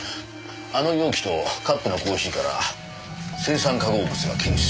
あの容器とカップのコーヒーから青酸化合物が検出されました。